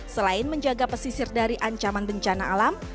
selain menjaga pesisir dari ancaman bencana alam